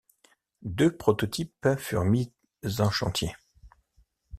Deux prototypes furent mis en chantier.